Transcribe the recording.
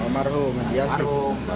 maruh biasa sih